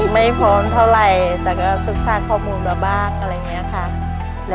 ไม่พร้อมเท่าไหร่แต่ก็ศึกษาข้อมูลมาบ้างอะไรอย่างนี้ค่ะ